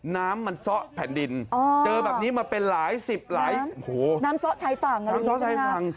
น้ำซ้อใช้ฝั่งน้ำซ้อใช้ฝั่ง